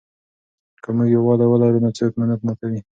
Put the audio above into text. که موږ یووالي ولرو نو څوک مو نه ماتوي.